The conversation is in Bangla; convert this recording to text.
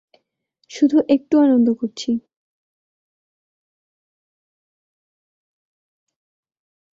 শুধু একটু আনন্দ করছি।